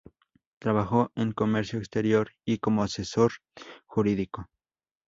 Trabajó en comercio exterior y como asesor jurídico.